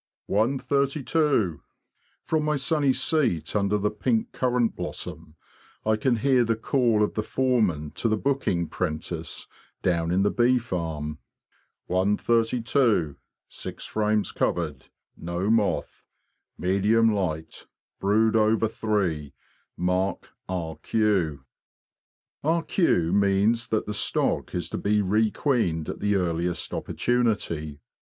'' One thirty two! ''—from my sunny seat under the pink currant blossom I can hear the call of the foreman to the booking 'prentice down in the bee farm— " One thirty two—six frames covered—no moth— medium light—brood over three—mark R.Q." R.Q. means that the stock is to be re queened at the earliest opportunity.